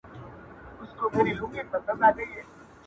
چوپه خوله سو له هغې ورځي ګونګی سو-